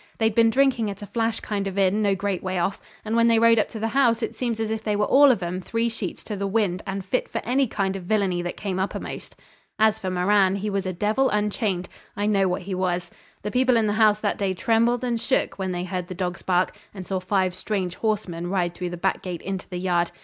They'd been drinking at a flash kind of inn no great way off, and when they rode up to the house it seems they were all of 'em three sheets in the wind, and fit for any kind of villainy that came uppermost. As for Moran, he was a devil unchained. I know what he was. The people in the house that day trembled and shook when they heard the dogs bark and saw five strange horsemen ride through the back gate into the yard.